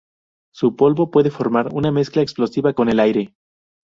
Su polvo puede formar una mezcla explosiva con el aire.